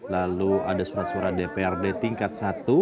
lalu ada surat suara dprd tingkat satu